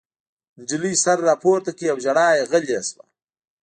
نجلۍ سر راپورته کړ او ژړا یې غلې شوه